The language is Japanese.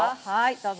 どうぞ。